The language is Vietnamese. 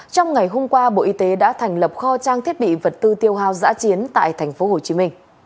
trong ngày hôm qua bộ y tế đã thành lập kho trang thiết bị vật tư tiêu hào giã chiến tại tp hcm